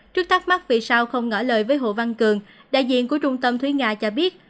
trước thắc mắc vì sao không nói lời với hồ văn cường đại diện của trung tâm thúy nga cho biết